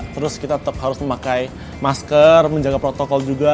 terus kita tetap harus memakai masker menjaga protokol juga